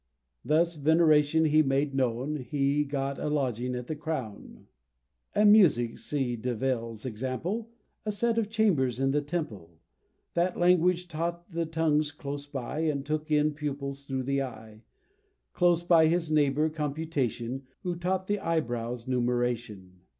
Thus Veneration, he made known, Had got a lodging at the Crown; And Music (see Deville's example) A set of chambers in the Temple; That Language taught the tongues close by, And took in pupils thro' the eye, Close by his neighbor Computation, Who taught the eyebrows numeration.